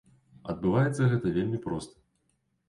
Адбываецца гэта вельмі проста.